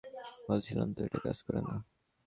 বলেছিলাম তো এটা কাজ করে না!